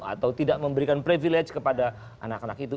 atau tidak memberikan privilege kepada anak anak itu